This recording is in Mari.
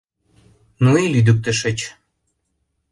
— Ну и лӱдыктышыч.